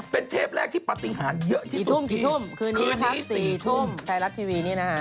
เป็นเทปแรกที่ปฏิหารเยอะที่สุดพี่คืนนี้๔ทุ่มไฟรัสทีวีนี้นะฮะคืนนี้๔ทุ่ม